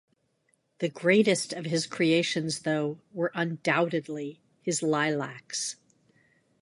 The greatest of his creations, though, were undoubtedly his lilacs.